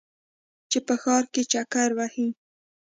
چې په ښار کې چکر وهې.